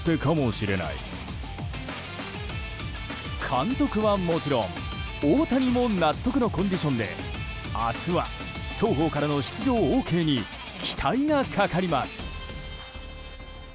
監督はもちろん大谷も納得のコンディションで明日は双方からの出場ＯＫに期待がかかります。